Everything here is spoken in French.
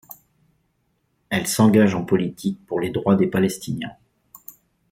Elle s'engage en politique pour les droits des Palestiniens.